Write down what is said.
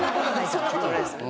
そんなことないですね。